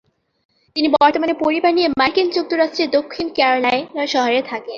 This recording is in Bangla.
তিনি বর্তমানে পরিবার নিয়ে মার্কিন যুক্তরাষ্ট্রের দক্ষিণ ক্যারোলাইনা শহরে থাকেন।